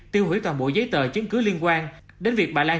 tiêu hủy toàn bộ giấy tờ chứng cứ liên quan đến việc bà lan